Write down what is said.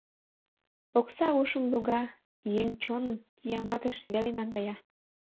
Окса ушым луга, еҥ чоным кияматыш веле наҥгая.